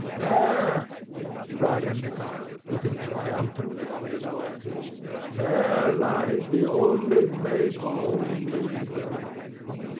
"There!" cried Endicott, looking triumphantly on his work; "there lies the only Maypole in New England.